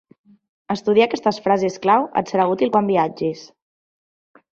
Estudiar aquestes frases clau et serà útil quan viatgis.